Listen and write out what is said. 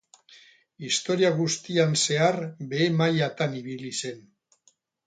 Historia guztian zehar behe mailatan ibili zen.